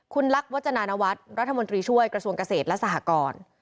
คุณลักษณะวัดรัฐมนตรีช่วยกระทรวงเกษตรและสหกร